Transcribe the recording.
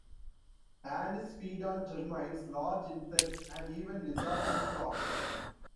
Anis feed on termites, large insects and even lizards and frogs.